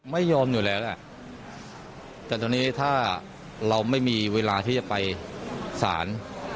ไม่ยอมอยู่แล้วล่ะแต่ตอนนี้ถ้าเราไม่มีเวลาที่จะไปสาร